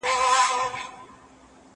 زه کولای سم سبا ته فکر وکړم!.